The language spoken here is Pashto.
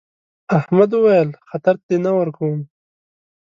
احمد وويل: خطر ته دې نه ورکوم.